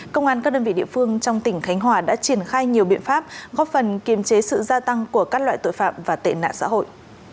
công an các đơn vị địa phương trong tỉnh khánh hòa đã triển khai nhiều biện pháp góp phần kiềm chế sự gia tăng của các loại tội phạm và tệ nạn xã hội